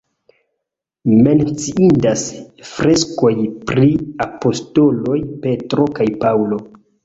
Menciindas freskoj pri apostoloj Petro kaj Paŭlo.